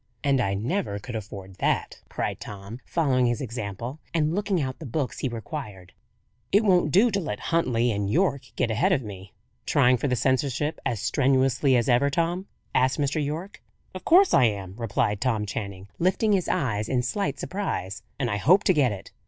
"And I never could afford that," cried Tom, following his example, and looking out the books he required. "It won't do to let Huntley and Yorke get ahead of me." "Trying for the seniorship as strenuously as ever, Tom?" asked Mr. Yorke. "Of course I am," replied Tom Channing, lifting his eyes in slight surprise. "And I hope to get it."